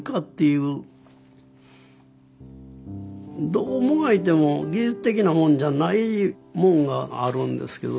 どうもがいても技術的なもんじゃないもんがあるんですけど。